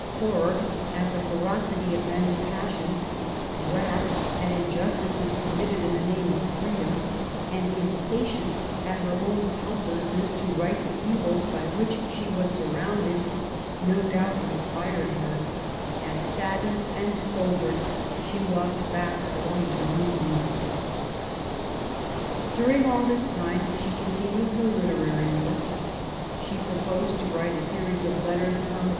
Horror at the ferocity of men s passions^ wrath at in jostices committed in the name of freedom^ and impa tience at her own helplessness to right the evils by which she was surrounded^ no doubt inspired her, as saddened and sobered she walked back alone to Neuilly. During all this time she continued her literary work. She proposed to write a series of letters upon the pre